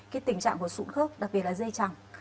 cái tình trạng của sụn khớp đặc biệt là dây chẳng